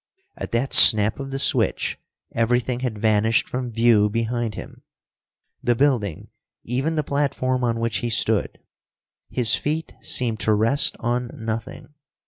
At that snap of the switch, everything had vanished from view behind him, the building, even the platform on which he stood. His feet seemed to rest on nothing.